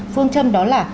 phương châm đó là